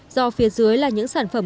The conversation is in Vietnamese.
do phía dưới là những sản phẩm